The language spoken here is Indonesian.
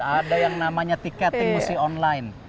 ada yang namanya tiket emosi online